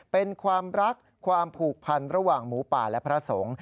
เป็นความรักความผูกพันระหว่างหมูป่าและพระสงฆ์